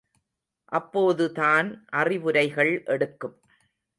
அப்போதுதான் அறிவுரைகள் எடுக்கும்.